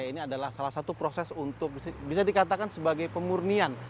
ini adalah salah satu proses untuk bisa dikatakan sebagai pemurnian